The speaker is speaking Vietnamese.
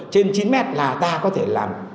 trên chín mét là ta có thể làm